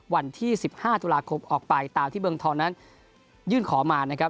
วันที่๑๕ตุลาคมออกไปตามที่เมืองทองนั้นยื่นขอมานะครับ